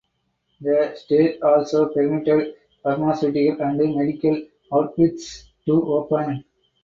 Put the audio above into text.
The state also permitted pharmaceutical and medical outfits to open.